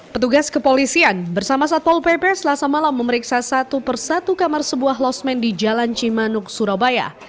petugas kepolisian bersama satpol pp selasa malam memeriksa satu persatu kamar sebuah losmen di jalan cimanuk surabaya